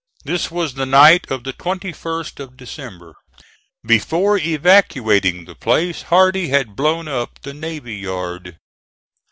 This was the night of the 21st of December. Before evacuating the place Hardee had blown up the navy yard.